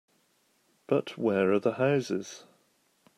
But where are the houses?